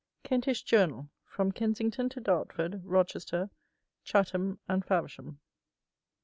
KENTISH JOURNAL: FROM KENSINGTON TO DARTFORD, ROCHESTER, CHATHAM, AND FAVERSHAM.